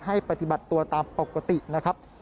ปฏิบัติตัวตามปกตินะครับ